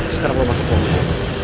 sekarang lo masuk mobil gue